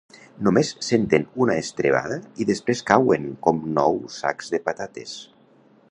Només senten una estrebada i després cauen com nou sacs de patates.